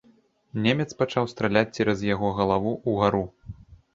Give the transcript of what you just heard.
Немец пачаў страляць цераз яго галаву ўгару.